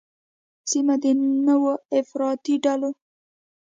سیمه د نوو افراطي ډلو